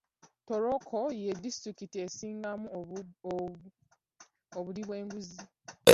Ntoroko ye disitulikiti esingamu obuli bw'enguzi.